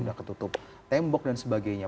sudah ketutup tembok dan sebagainya